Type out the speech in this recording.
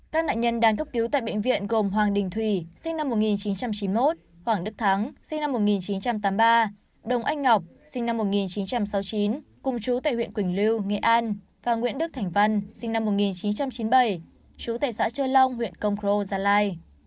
các nạn nhân đang cấp cứu tại bệnh viện gồm hoàng đình thủy sinh năm một nghìn chín trăm chín mươi một hoàng đức thắng sinh năm một nghìn chín trăm tám mươi ba đồng anh ngọc sinh năm một nghìn chín trăm sáu mươi chín cùng chú tại huyện quỳnh lưu nghệ an và nguyễn đức thành văn sinh năm một nghìn chín trăm chín mươi bảy chú tại xã trơ long huyện công cro gia lai